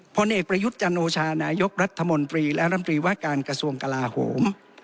ผลเอกประยุทธ์จันโอชานายกรัฐมนตรีและรำตรีว่าการกระทรวงกลาโหม